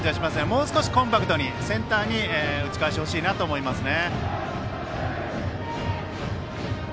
もう少しコンパクトにセンターに打ち返してほしいなと思いますね。